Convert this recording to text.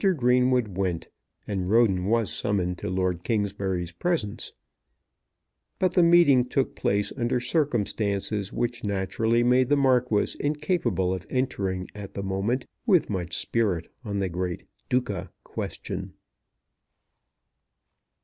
Greenwood went, and Roden was summoned to Lord Kingsbury's presence; but the meeting took place under circumstances which naturally made the Marquis incapable of entering at the moment with much spirit on the great "Duca" question.